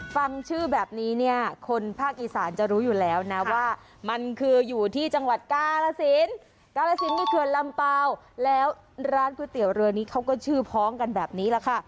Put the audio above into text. ฟังชื่อแบบนี้เนี่ยคนภาคอีสานจะรู้อยู่แล้วนะว่ามันคืออยู่ที่จังหวัดกาลสินกาลสินมีเขื่อนลำเปล่าแล้วร้านก๋วยเตี๋ยวเรือนี้เขาก็ชื่อพ้องกันแบบนี้แหละค่ะ